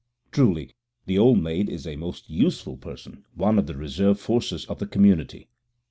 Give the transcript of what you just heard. Truly, the old maid is a most useful person, one of the reserve forces of the community.